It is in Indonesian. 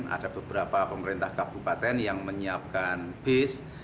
ada beberapa pemerintah kabupaten yang menyiapkan bis